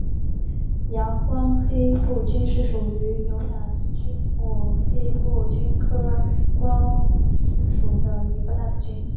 阳城光黑腹菌是属于牛肝菌目黑腹菌科光黑腹菌属的一种担子菌。